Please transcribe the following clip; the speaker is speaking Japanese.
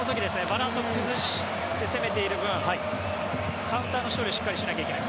バランスを崩して攻めている分カウンターの処理をしっかりしないといけない。